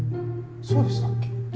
そうでしたっけ？